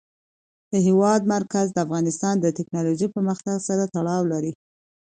د هېواد مرکز د افغانستان د تکنالوژۍ پرمختګ سره تړاو لري.